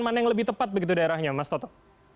mana yang lebih tepat begitu daerahnya mas toto